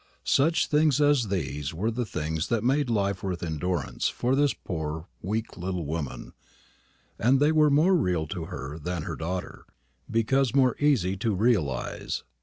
Such things as these were the things that made life worth endurance for this poor weak little woman; and they were more real to her than her daughter, because more easy to realise.